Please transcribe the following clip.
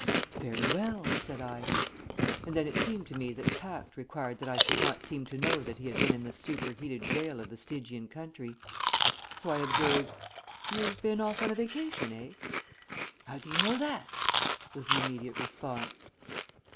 "Very well," said I. And then it seemed to me that tact required that I should not seem to know that he had been in the superheated jail of the Stygian country. So I observed, "You've been off on a vacation, eh?" "How do you know that?" was the immediate response.